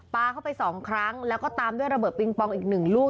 ปลาเข้าไปสองครั้งแล้วก็ตามด้วยระเบิดปิงปองอีกหนึ่งลูก